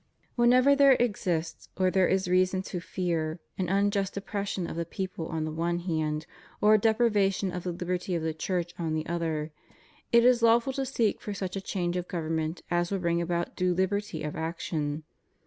Whenever there exists, or there is reason to fear, an unjust oppression of the people on the one hand, or a deprivation of the liberty of the Church on the other, it is lawful to seek for such a change of government as will bring about due liberty of action.